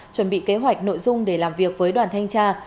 chuẩn bị kế hoạch nội dung để làm việc với đoàn thanh tra